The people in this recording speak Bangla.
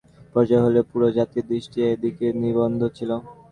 এই নির্বাচন স্থানীয় সরকারের পর্যায়ের হলেও পুরো জাতির দৃষ্টি এদিকে নিবদ্ধ ছিল।